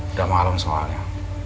udah malem soalnya